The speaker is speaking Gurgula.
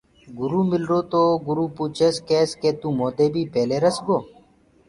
گُروٚ مِلرو تو گُرو پوٚڇس ڪيس ڪي تو موندي بي پيلي رس گو۔